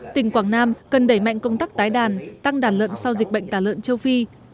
tỉnh quảng nam cần đẩy mạnh công tác tái đàn tăng đàn lợn sau dịch bệnh tà lợn châu phi